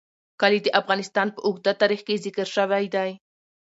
کلي د افغانستان په اوږده تاریخ کې ذکر شوی دی.